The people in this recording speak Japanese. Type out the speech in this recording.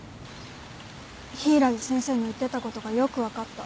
柊木先生の言ってたことがよく分かった。